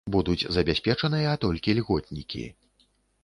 Будуць забяспечаныя толькі льготнікі.